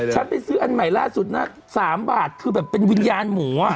ฉันไปซื้ออันใหม่ล่าสุดนะ๓บาทคือแบบเป็นวิญญาณหมูอ่ะ